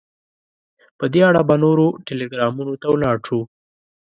په دې اړه به نورو ټلګرامونو ته ولاړ شو.